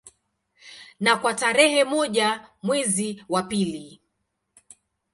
Na kwa tarehe moja mwezi wa pili